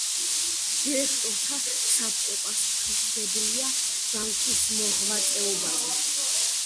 დირექტორთა საბჭო პასუხისმგებელია ბანკის მოღვაწეობაზე.